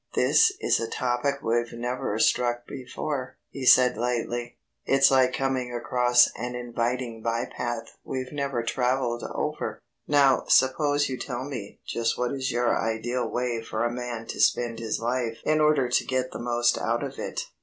"This is a topic we've never struck before," he said lightly. "It's like coming across an inviting bypath we've never travelled over. Now suppose you tell me just what is your ideal way for a man to spend his life in order to get the most out of it."